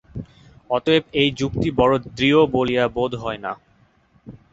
অতএব এই যুক্তি বড় দৃঢ় বলিয়া বোধ হয় না।